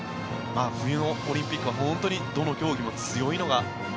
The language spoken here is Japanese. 冬のオリンピックは本当にどの競技も強いのが。